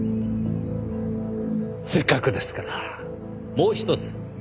せっかくですからもう一つ。